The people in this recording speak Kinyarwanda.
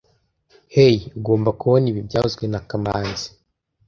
Hey, ugomba kubona ibi byavuzwe na kamanzi